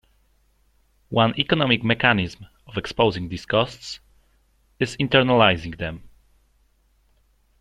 One economic mechanism of exposing these costs is internalizing them.